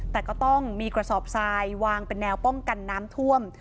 แต่ก็ต้องมีกระสอบทรายวางเป็นแนวป้องกันน้ำท่วม